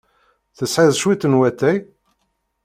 Tesɛiḍ cwiṭ n watay?